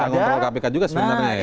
jadi bisa ngontrol kpk juga sebenarnya